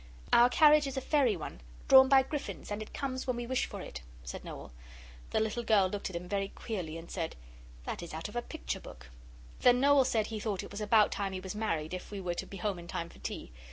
'Our carriage is a fairy one, drawn by griffins, and it comes when we wish for it,' said Noel. The little girl looked at him very queerly, and said, 'That is out of a picture book.' Then Noel said he thought it was about time he was married if we were to be home in time for tea.